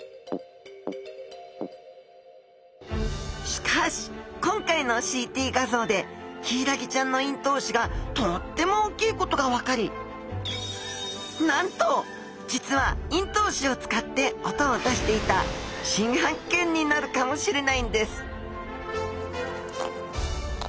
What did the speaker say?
しかし今回のＣＴ画像でヒイラギちゃんの咽頭歯がとっても大きいことが分かりなんと実は咽頭歯を使って音を出していた新発見になるかもしれないんです！